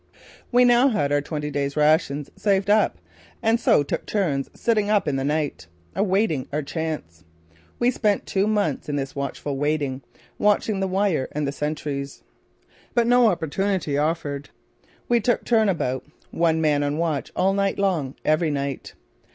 We now had our twenty days' rations saved up and so took turns sitting up at night, awaiting our chance. We spent two months in this watchful waiting, watching the wire and the sentries. But no opportunity offered. We took turn about, one man on watch all night long, every night.